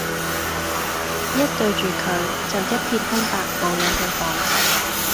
一對住佢就一片空白無嘢好講